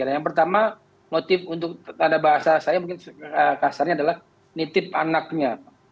yang pertama motif untuk ada bahasa saya mungkin kasarnya adalah nitip anaknya